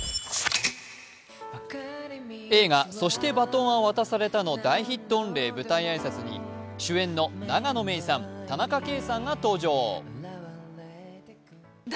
映画「そして、バトンは渡された」の大ヒット御礼舞台挨拶に主演の永野芽郁さん、田中圭さんが登場。